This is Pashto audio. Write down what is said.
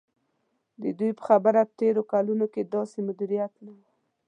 د دوی په خبره تېرو کلونو کې داسې مدیریت نه و.